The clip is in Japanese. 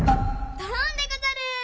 ドロンでござる。